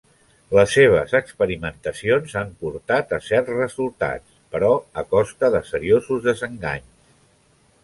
Les seves experimentacions han portat a certs resultats; però a costa de seriosos desenganys.